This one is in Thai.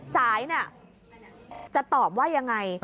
จ่ายน่ะจะตอบว่ายังไง